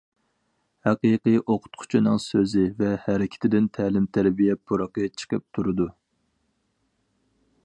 ھەقىقىي ئوقۇتقۇچىنىڭ سۆزى ۋە ھەرىكىتىدىن تەلىم-تەربىيە پۇرىقى چىقىپ تۇرىدۇ.